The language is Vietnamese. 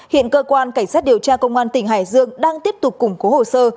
hiện cơ quan cảnh sát điều tra công an tỉnh hải dương đang tiếp tục củng cố hồ sơ